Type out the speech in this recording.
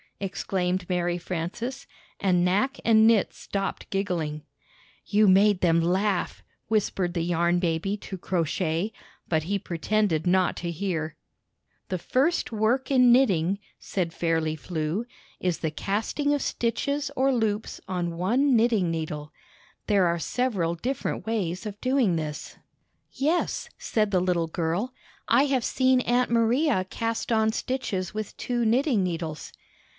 exclaimed Mary Frances, and Knack and Knit stopped gigghng. "You made them laugh !" whispered the Yarn Baby ffi^^ to Crow Shay, but he pretended not to hear. 1153] h/oisrlaultr 154 Knitting and Crocheting Book "The first work in knitting," said Fairly Flew, "is the casting of stitches or loops on one knitting needle. There are several different ways of doing this." "Yes," said the little girl, "I have seen Aunt Maria cast on stitches with two knitting needles."